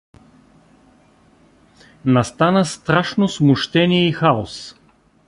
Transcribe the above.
Настана страшно смущение и хаос.